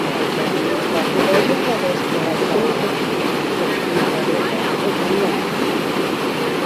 Guderian adestra ós seus oficiais con motocicletas e camións.